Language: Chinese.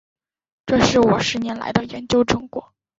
这是我十年来的研究成果